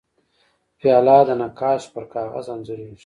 پیاله د نقاش پر کاغذ انځورېږي.